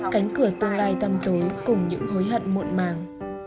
cánh cửa tương lai tâm tố cùng những hối hận muộn màng